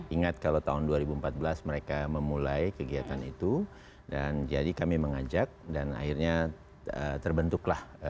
ingat kalau tahun dua ribu empat belas mereka memulai kegiatan itu dan jadi kami mengajak dan akhirnya terbentuklah